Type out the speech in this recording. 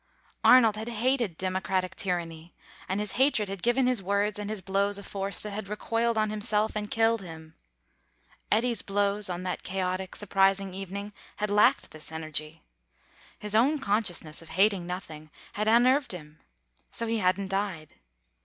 Arnold had hated democratic tyranny, and his hatred had given his words and his blows a force that had recoiled on himself and killed him. Eddy's blows on that chaotic, surprising evening had lacked this energy; his own consciousness of hating nothing had unnerved him; so he hadn't died.